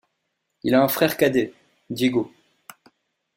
Il a un frère Cadet, Diego.